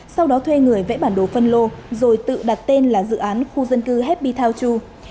sau đó thuê người vẽ bản đồ phân lô rồi tự đặt tên là dự án khu dân cư happy townshu